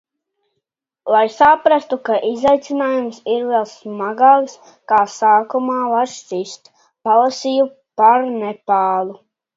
Lai saprastu, ka izaicinājums ir vēl smagāks, kā sākumā var šķist. Palasīju par Nepālu.